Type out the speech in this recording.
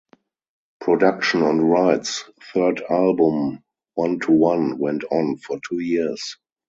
Production on Wright's third album, "One to One", went on for two years.